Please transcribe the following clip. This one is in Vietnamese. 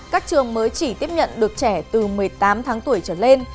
các trường mới chỉ tiếp nhận được trẻ từ một mươi tám tháng tuổi trở lên